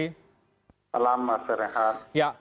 selamat mbak ferry